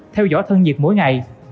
theo dõi thân nhiệt mỗi ngày